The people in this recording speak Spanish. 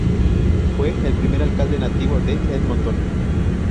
Fue el primer alcalde nativo de Edmonton.